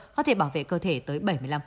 có thể bảo vệ cơ thể tới bảy mươi năm